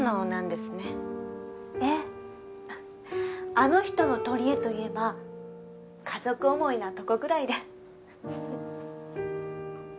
あの人の取り柄といえば家族想いなとこぐらいで。